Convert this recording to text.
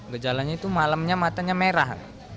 gejalanya itu malamnya matanya merah